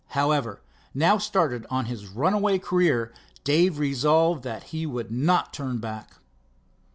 However, now started on his runaway career, Dave resolved that he would not turn back.